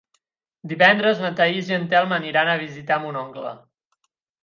Divendres na Thaís i en Telm aniran a visitar mon oncle.